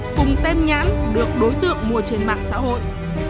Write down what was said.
cùng tem nhãn được đối tượng mua trên mạng xã hội